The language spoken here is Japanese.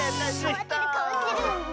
かわってるかわってる！